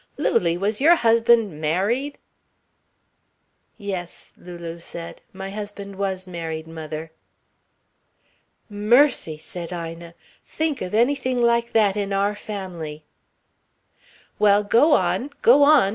"Lulie, was your husband married?" "Yes," Lulu said, "my husband was married, mother." "Mercy," said Ina. "Think of anything like that in our family." "Well, go on go on!"